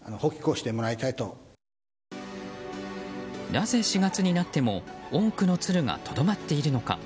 なぜ、４月になっても多くのツルがとどまっているのか。